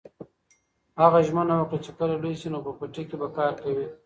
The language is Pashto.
هغه ژمنه وکړه چې کله لوی شي نو په پټي کې به کار کوي.